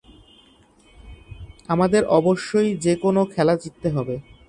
আমাদের অবশ্যই যে কোনও খেলা জিততে হবে।